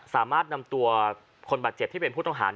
สามารถนำตัวคนบาดเจ็บที่เป็นผู้ต้องหา